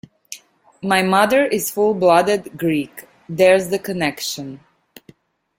My mother is full-blooded Greek, there's the connection.